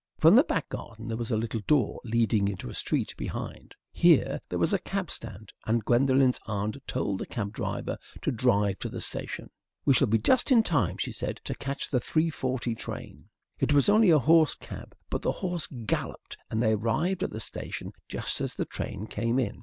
From the back garden there was a little door leading into a street behind. Here there was a cab stand, and Gwendolen's aunt told the cab driver to drive to the station. "We shall just be in time," she said, "to catch the 3.40 train." It was only a horse cab, but the horse galloped, and they arrived at the station just as the train came in.